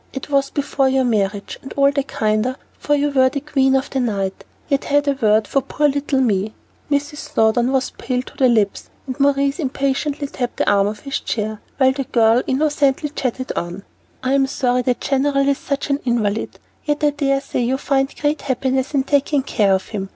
It was before your marriage, and all the kinder, for you were the queen of the night, yet had a word for poor little me." Mrs. Snowdon was pale to the lips, and Maurice impatiently tapped the arm of his chair, while the girl innocently chatted on. "I am sorry the general is such an invalid; yet I dare say you find great happiness in taking care of him.